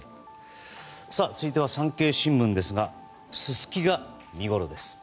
続いては産経新聞ですがススキが見ごろです。